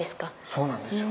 そうなんですよ。